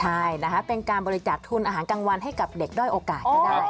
ใช่นะคะเป็นการบริจาคทุนอาหารกลางวันให้กับเด็กด้อยโอกาสก็ได้